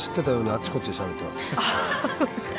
あそうですか。